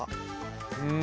うん。